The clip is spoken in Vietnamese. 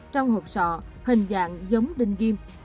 trong hộp sọ hình dạng giống đinh ghim